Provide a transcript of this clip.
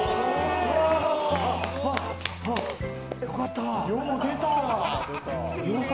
よかった。